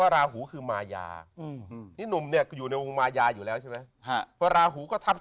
ราหูคือมายานึนุ่มอยู่ในวงงมายาฮักท่านให้ถูกตัว